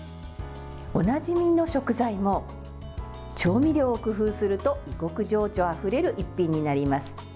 おなじみの食材も調味料を工夫すると異国情緒あふれる一品になります。